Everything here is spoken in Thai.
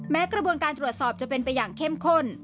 กระบวนการตรวจสอบจะเป็นไปอย่างเข้มข้น